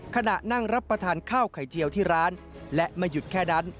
ขณะนั่งรับประทานข้าวไข่เทียวที่ร้านและไม่หยุดแค่นั้น